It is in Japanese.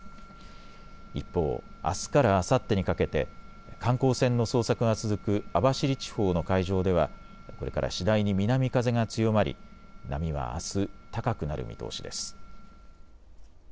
一方、あすからあさってにかけて観光船の捜索が続く網走地方の海上ではこれから次第に南風が強まり波はあす高くなる見通しです。